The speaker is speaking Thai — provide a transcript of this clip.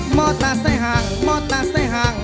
มอเตอร์ไซห่างมอเตอร์ไซห่าง